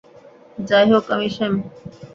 যাই হোক, আমি স্যাম।